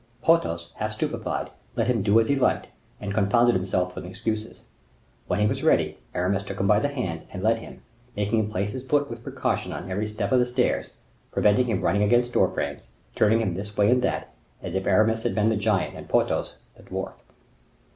Porthos, half stupefied, let him do as he liked, and confounded himself in excuses. When he was ready, Aramis took him by the hand, and led him, making him place his foot with precaution on every step of the stairs, preventing him running against door frames, turning him this way and that, as if Aramis had been the giant and Porthos the dwarf.